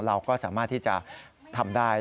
เราก็สามารถที่จะทำได้